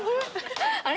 あれ？